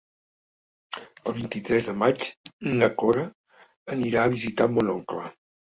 El vint-i-tres de maig na Cora anirà a visitar mon oncle.